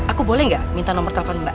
aku boleh nggak minta nomor telepon mbak